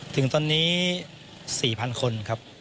ถึงตอนนี้๔๐๐๐คนครับ